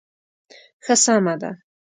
ښه سمه ده.